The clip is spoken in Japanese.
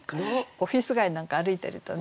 オフィス街なんか歩いてるとね